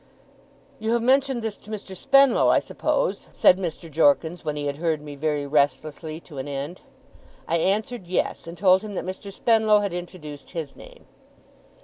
'You have mentioned this to Mr. Spenlow, I suppose?' said Mr. Jorkins; when he had heard me, very restlessly, to an end. I answered Yes, and told him that Mr. Spenlow had introduced his name.